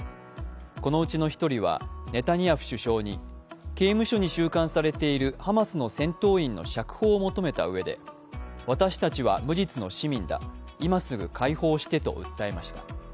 このうちの１人はネタニヤフ首相に刑務所に収監されているハマスの戦闘員の釈放を求めたうえで私たちは無実の市民だ、今すぐ解放してと訴えました。